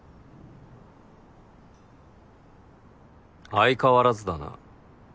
相変わらずだな。